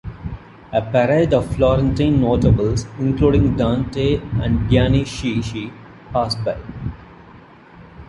A parade of Florentine notables, including Dante and Gianni Schicchi, pass by.